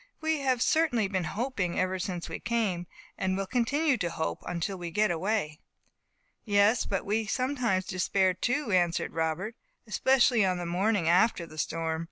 "We have certainly been hoping ever since we came, and will continue to hope until we get away." "Yes, but we sometimes despaired, too," answered Robert, "especially on the morning after the storm.